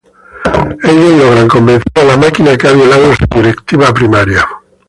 Ellos logran convencer a la máquina que ha violado su directiva primaria.